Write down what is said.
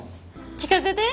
聞かせて。